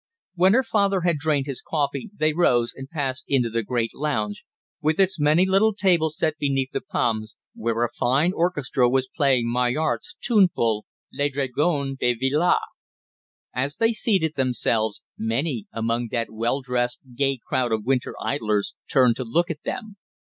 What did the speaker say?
When her father had drained his coffee they rose and passed into the great lounge, with its many little tables set beneath the palms, where a fine orchestra was playing Maillart's tuneful "Les Dragons de Villars." As they seated themselves many among that well dressed, gay crowd of winter idlers turned to look at them.